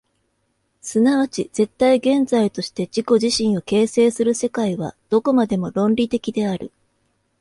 即ち絶対現在として自己自身を形成する世界は、どこまでも論理的である。